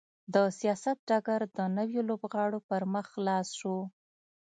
د سیاست ډګر د نویو لوبغاړو پر مخ خلاص شو.